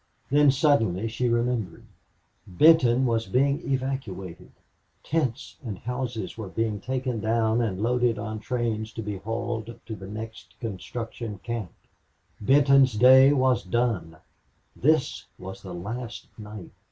Then suddenly she remembered. Benton was being evacuated. Tents and houses were being taken down and loaded on trains to be hauled to the next construction camp. Benton's day was done! This was the last night.